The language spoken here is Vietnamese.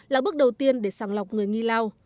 là bước đầu tiên để sàng lọc người nghi lao